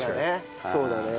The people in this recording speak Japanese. そうだね。